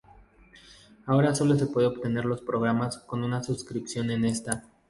Ahora solo se puede obtener los programas con una suscripción en esta.